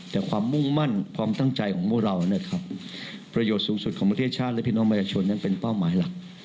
แต่ความมุ่งมั่นความตั้งใจของพวกเรานะครับประโยชน์สูงสุดของประเทศชาติและพี่น้องประชาชนนั้นเป็นเป้าหมายหลัก